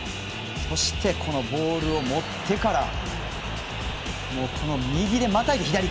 そしてボールを持ってから右でまたいで左。